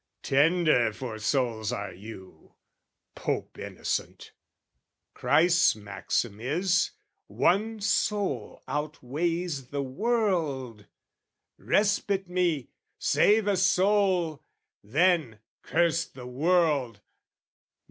Tender for souls are you, Pope Innocent! Christ's maxim is one soul outweighs the world: Respite me, save a soul, then, curse the world!